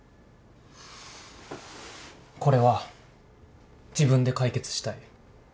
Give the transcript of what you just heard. これは自分で解決したい。